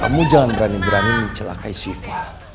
kamu jangan berani berani mencelakai syifa